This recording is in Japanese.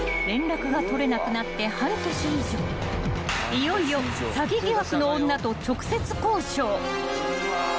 ［いよいよ詐欺疑惑の女と直接交渉］